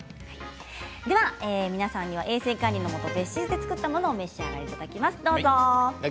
では皆さんには衛生管理のもと別室で作ったものをお召し上がりいただきます。